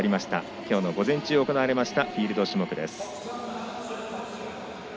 今日の午前中行われましたフィールド種目です。